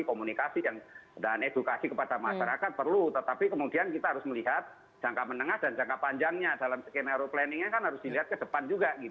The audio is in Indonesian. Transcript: komunikasi dan edukasi kepada masyarakat perlu tetapi kemudian kita harus melihat jangka menengah dan jangka panjangnya dalam skenario planningnya kan harus dilihat ke depan juga